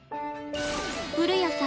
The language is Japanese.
古谷さん